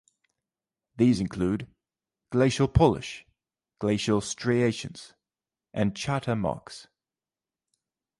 These include glacial polish, glacial striations, and chatter marks.